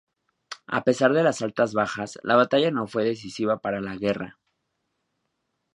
A pesar de las altas bajas, la batalla no fue decisiva para la guerra.